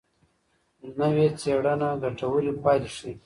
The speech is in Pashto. نوې څېړنه ګټورې پایلې ښيي.